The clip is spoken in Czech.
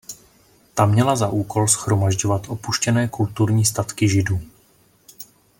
Ta měla za úkol shromažďovat "opuštěné kulturní statky židů".